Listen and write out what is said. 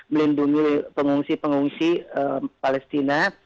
melindungi pengungsi pengungsi palestina